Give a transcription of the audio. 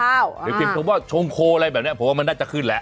เดี๋ยวเตรียมถึงว่าชงโคอะไรแบบนี้ผมว่ามันน่าจะขึ้นแหละ